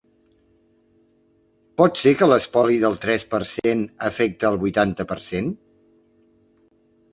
Potser que l’espoli del tres per cent afecta al vuitanta per cent?